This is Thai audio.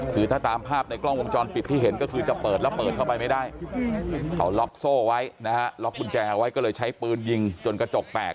คือถ้าตามภาพในกล้องวงจรปิดที่เห็นก็คือจะเปิดแล้วเปิดเข้าไปไม่ได้เขาล็อกโซ่ไว้นะฮะล็อกกุญแจเอาไว้ก็เลยใช้ปืนยิงจนกระจกแตก